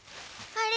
あれ？